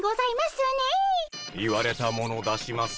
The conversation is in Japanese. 言われたもの出します。